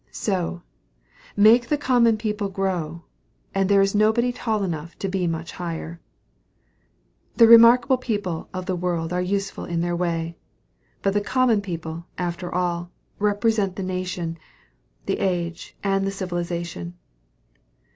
So, make the common people grow, and there is nobody tall enough to be much higher. The remarkable people of this world are useful in their way; but the common people, after all, represent the nation, the age, and the civilization.